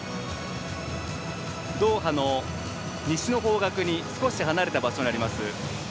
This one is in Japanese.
ドーハの西の方角に少し離れた場所にあります